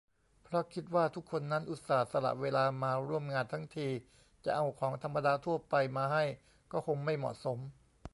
เพราะคิดว่าทุกคนนั้นอุตส่าห์สละเวลามาร่วมงานทั้งที จะเอาของธรรมดาทั่วไปมาให้ก็คงไม่เหมาะสม